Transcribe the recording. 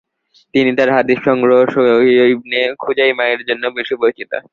তিনি তার হাদিস সংগ্রহ সহীহ ইবনে খুজাইমাহ এর জন্য বেশি পরিচিত।